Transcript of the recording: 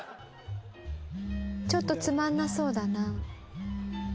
ちょっとつまんなそうだな。